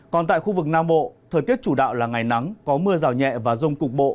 còn tại khu vực nam bộ thời tiết chủ đạo là ngày nắng có mưa rào nhẹ và rông cục bộ